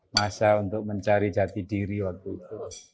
masa untuk mencari jati diri waktu itu